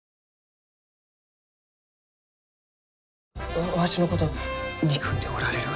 わわしのこと憎んでおられるがですか？